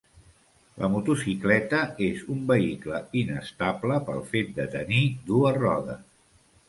La motocicleta és un vehicle inestable pel fet de tenir dues rodes.